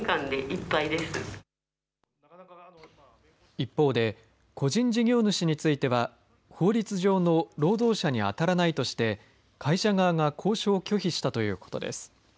一方で個人事業主については法律上の労働者に当たらないとして会社側が交渉を拒否したということです。